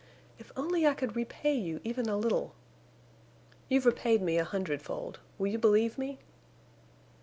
If only I could repay you even a little—" "You've repaid me a hundredfold. Will you believe me?"